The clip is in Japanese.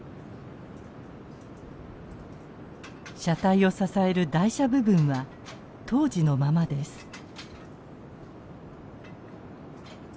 車体を支える台車部分は当時のままです。